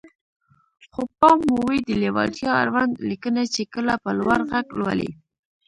خو پام مو وي د ليوالتيا اړوند ليکنه چې کله په لوړ غږ لولئ.